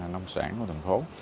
nông sản của thành phố